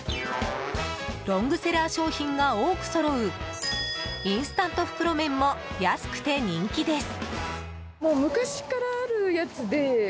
ロングセラー商品が多くそろうインスタント袋麺も安くて人気です。